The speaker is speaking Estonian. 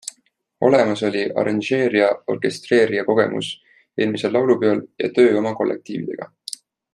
Olemas oli arranžeerija-orkestreerija kogemus eelmisel laulupeol ja töö oma kollektiividega.